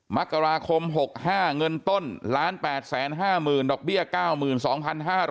มกราคม๖๕เงินต้น๑๘๕๐๐๐ดอกเบี้ย๙๒๕๐๐บาท